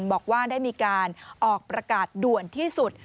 บอกว่าได้มีการออกประกาศด่วนที่สุด